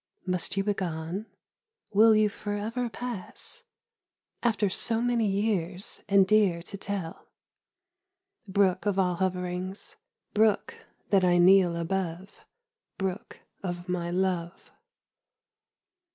Must you begone? Will you forever pass, After so many years and dear to tell? Brook of all hoverings ... Brook that I kneel above; Brook of my love.